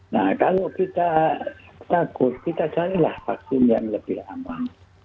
nah kalau kita takut kita carilah vaksin yang lebih aman